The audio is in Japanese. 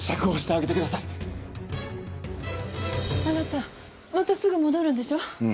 あなたまたすぐ戻るんでしょ？